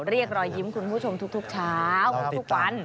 เรียกรอยยิ้มคุณผู้ชมทุกเช้าทุกวัน